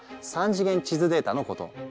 ３次元地図データのこと。